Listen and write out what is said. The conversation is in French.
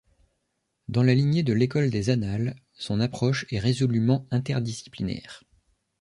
Dans la lignée de l’école des Annales, son approche est résolument interdisciplinaire.